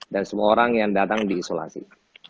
dan semua orang yang datang di isolasi mandiri